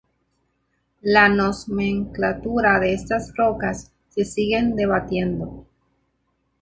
La nomenclatura de estas rocas se sigue debatiendo.